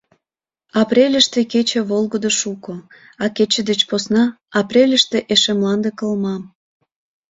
- Апрельыште кече волгыдо шуко, а кече деч посна - апрельыште эше мланде кылма...